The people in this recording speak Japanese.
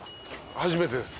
初めてです。